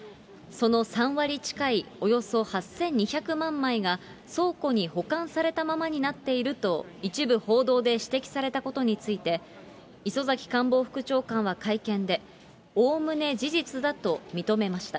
その３割近いおよそ８２００万枚が、倉庫に保管されたままになっていると、一部報道で指摘されたことについて、磯崎官房副長官は会見で、おおむね事実だと認めました。